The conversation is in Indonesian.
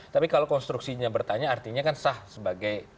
tapi kalau konstruksinya bertanya artinya kan sah sebagai